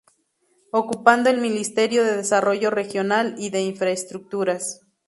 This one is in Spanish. Ocupando el Ministerio de Desarrollo Regional y de Infraestructuras.